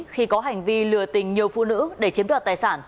khi có hành vi lừa tình nhiều phụ nữ để chiếm đoạt tài sản